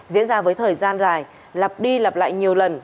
diễn ra với thời gian dài lặp đi lặp lại nhiều lần